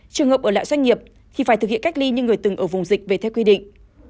trường hợp ở lại doanh nghiệp thì phải thực hiện cách ly như người từng ở vùng dịch về theo quy định